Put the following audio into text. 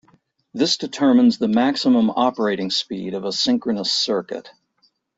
This determines the maximum operating speed of a synchronous circuit.